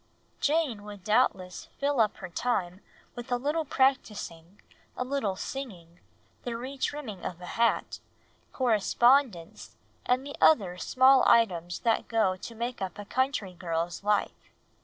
Jane would doubtless fill up her time with a little practising, a little singing, the re trimming of a hat, correspondence, and the other small items that go to make up a country girl's life.